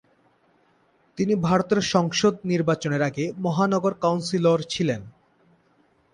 তিনি ভারতের সংসদ নির্বাচনের আগে মহানগর কাউন্সিলর ছিলেন।